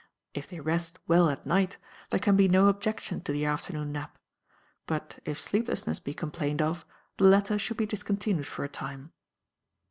If they rest well at night there can be no objection to the afternoon nap; but if sleeplessness be complained of, the latter should be discontinued for a time.